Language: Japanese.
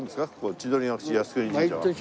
千鳥ヶ淵靖国神社は？